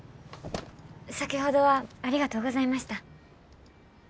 先ほどはありがとうございました。え？